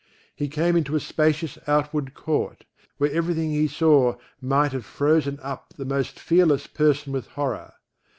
He came into a spacious outward court, where everything he saw might have frozen up the most fearless person with horror.